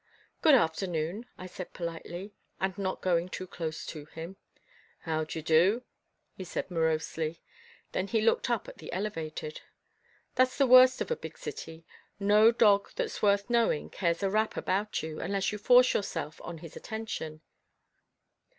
"Good afternoon," I said politely, and not going too close to him. "How d'ye do," he said morosely. Then he looked up at the elevated. That's the worst of a big city. No dog that's worth knowing cares a rap about you, unless you force yourself on his attention.